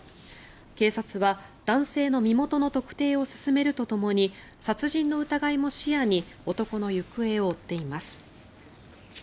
警察は男性の身元の特定を進めるとともに殺人の疑いも視野に男の行方を追っています。